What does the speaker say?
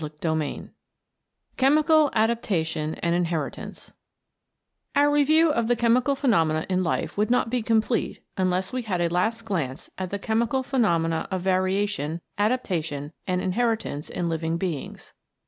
CHAPTER X CHEMICAL ADAPTATION AND INHERITANCE OUR review of the chemical phenomena in life would not be complete unless we had a last glance at the chemical phenomena of variation, adaptation and inheritance in living beings.